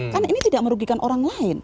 karena ini tidak merugikan orang lain